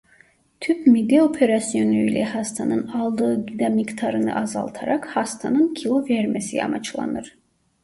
Tüp mide operasyonu ile hastanın aldığı gıda miktarını azaltarak hastanın kilo vermesi amaçlanır.